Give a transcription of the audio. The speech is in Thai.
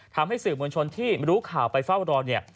ทำให้สื่อมวลชนที่รู้ข่าวไปเฝ้ารอเนี่ย